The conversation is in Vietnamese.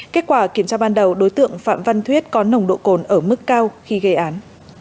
kết quả kiểm tra ban đầu đối tượng phạm văn thuyết có nồng độ cồn ở mức cao khi gây án